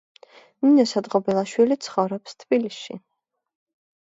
ნინო სადღობელაშვილი ცხოვრობს თბილისში.